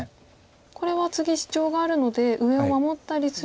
これは次シチョウがあるので上を守ったりすると。